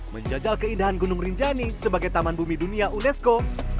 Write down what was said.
menjajal keindahan gunung rinjani sebagai taman bumi dunia unesco